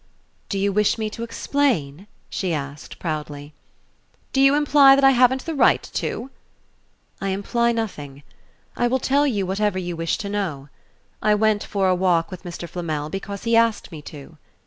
"Do you wish me to explain?" she asked, proudly. "Do you imply I haven't the right to?" "I imply nothing. I will tell you whatever you wish to know. I went for a walk with Mr. Flamel because he asked me to."